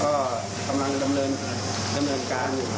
ก็กำลังดำเนินการ